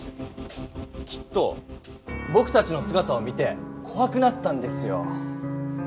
きっとぼくたちのすがたを見てこわくなったんですよ。